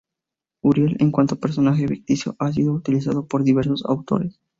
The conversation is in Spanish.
Uriel, en cuanto personaje ficticio, ha sido utilizado por diversos autores.